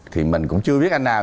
thì mình cũng chưa biết anh nào